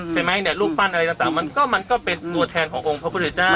สมายเนี้ยรูปปั้นอะไรต่างมันก็เป็นตัวแทนของพระพุทธเจ้า